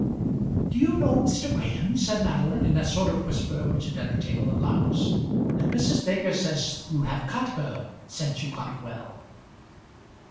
"Do you know, Mr. Graham," said Madeline, in that sort of whisper which a dinner table allows, "that Mrs. Baker says you have cut her since you got well."